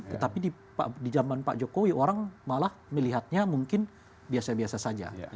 tetapi di zaman pak jokowi orang malah melihatnya mungkin biasa biasa saja